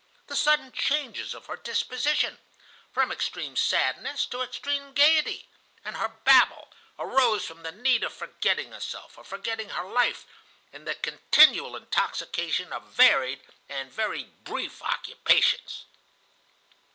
The sudden changes of her disposition, from extreme sadness to extreme gayety, and her babble, arose from the need of forgetting herself, of forgetting her life, in the continual intoxication of varied and very brief occupations.